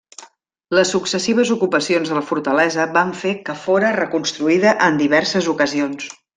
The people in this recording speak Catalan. Les successives ocupacions de la fortalesa van fer que fóra reconstruïda en diverses ocasions.